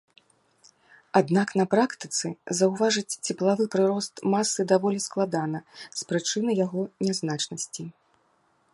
Аднак на практыцы заўважыць цеплавы прырост масы даволі складана з прычыны яго нязначнасці.